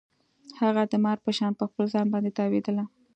هغه د مار په شان په خپل ځان باندې تاوېدله.